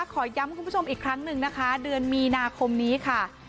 ขอย้ำคุณผู้ชมอีกครั้งหนึ่งนะคะเดือนมีนาคมนี้ค่ะ